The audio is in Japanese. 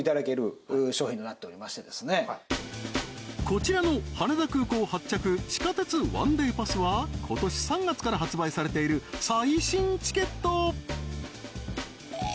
こちらの羽田空港発着地下鉄１ＤＡＹパスは今年３月から発売されている最新チケット